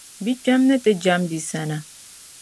bikpɛm’ ni ti jɛm bia sani.